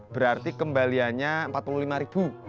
berarti kembaliannya empat puluh lima ribu